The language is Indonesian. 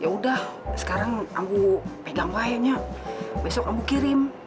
yaudah sekarang ambu pegang wayanya besok ambu kirim